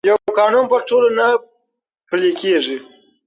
یو قانون پر ټولو نه پلي کېږي.